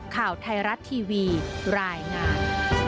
ข่าวไทยรัฐทีวีรายงาน